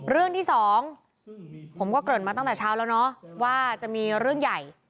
เรื่องที่สองผมก็เกริ่นมาตั้งแต่เช้าแล้วเนาะว่าจะมีเรื่องใหญ่